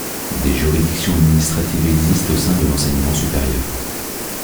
Des juridictions administratives existent au sein de l'enseignement supérieur.